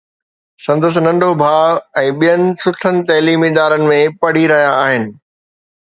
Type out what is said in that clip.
سندس ننڍو ڀاءُ ۽ ڀيڻ سٺن تعليمي ادارن ۾ پڙهي رهيا آهن.